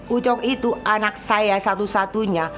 ucok itu anak saya satu satunya